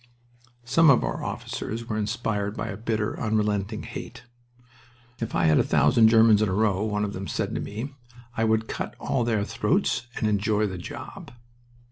Some of our officers were inspired by a bitter, unrelenting hate. "If I had a thousand Germans in a row," one of them said to me, "I would cut all their throats, and enjoy the job."